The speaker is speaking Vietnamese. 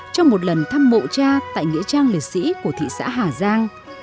trong một lần thăm mộ cha tại nghĩa trang liệt sĩ của thị xã hà giang